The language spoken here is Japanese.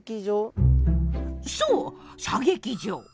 そう射撃場。